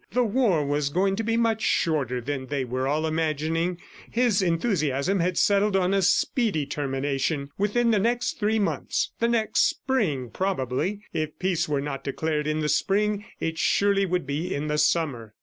The war was going to be much shorter than they were all imagining. His enthusiasm had settled on a speedy termination; within the next three months, the next Spring probably; if peace were not declared in the Spring, it surely would be in the Summer.